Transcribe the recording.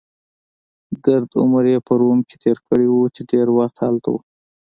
ګرد عمر يې په روم کې تېر کړی وو، چې ډېر وخت هلته و.